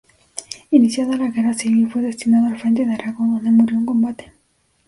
Iniciada la Guerra Civil fue destinado al Frente de Aragón donde murió en combate.